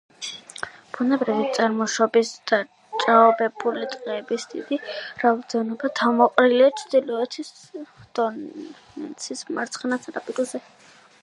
ბუნებრივი წარმოშობის დაჭაობებული ტყეების დიდი რაოდენობა თავმოყრილია ჩრდილოეთის დონეცის მარცხენა სანაპიროზე.